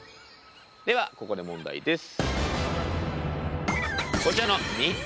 ではここで問題です。